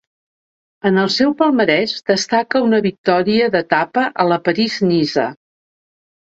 En el seu palmarès destaca una victòria d'etapa a la París-Niça.